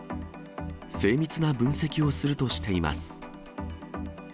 精密な分析をするとしています。